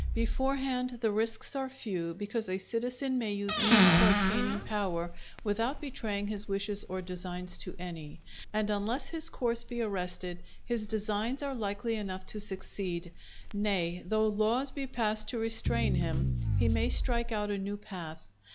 Beforehand, the risks are few, because a citizen may use means for obtaining power without betraying his wishes or designs to any; and unless his course be arrested, his designs are likely enough to succeed; nay, though laws be passed to restrain him, he may strike out a new path.